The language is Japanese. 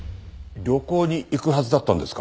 旅行に行くはずだったんですか？